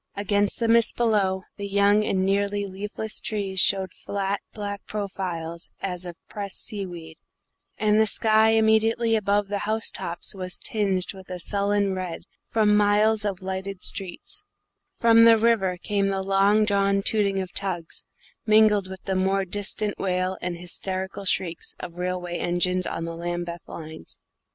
Against the mist below, the young and nearly leafless trees showed flat, black profiles as of pressed seaweed, and the sky immediately above the house tops was tinged with a sullen red from miles of lighted streets; from the river came the long drawn tooting of tugs, mingled with the more distant wail and hysterical shrieks of railway engines on the Lambeth lines.